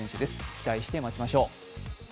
期待して待ちましょう。